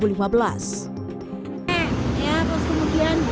ya terus kemudian